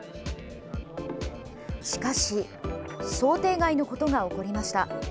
しかし想定外のことが起こりました。